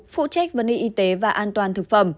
phụ trách vấn đề y tế và an toàn thực phẩm